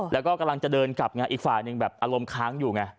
แล้วก็กำลังจะเดินกลับไงอีกฝ่ายหนึ่งแบบอารมณ์ค้างอยู่ไง